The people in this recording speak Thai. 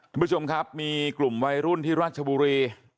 คุณผู้ชมครับมีกลุ่มวัยรุ่นที่ราชบุรี